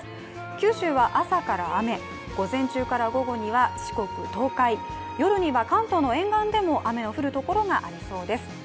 九州は朝から雨、午前中から午後には四国、東海、夜には関東の沿岸でも雨の降るところがありそうです。